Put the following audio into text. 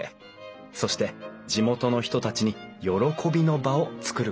そして地元の人たちに喜びの場をつくることだった